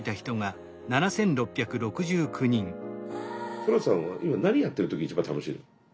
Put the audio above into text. トラさんは今何やってる時一番楽しいの？